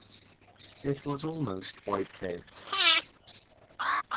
It was almost wiped out.